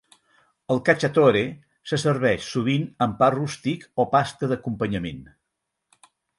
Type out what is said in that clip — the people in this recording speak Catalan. El "Cacciatore" se serveix sovint amb pa rústic o pasta d'acompanyament.